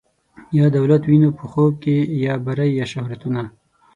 یا دولت وینو په خوب کي یا بری یا شهرتونه